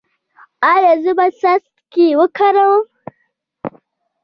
ایا زه باید څاڅکي وکاروم؟